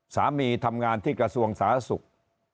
สามีทำงานที่กระทรวงศาสุกร์